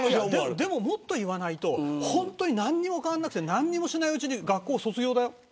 でも、もっと言わないと本当に何も変わらなくて何もしないうちに学校卒業だよ。